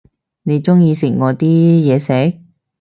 你鍾意我啲嘢食？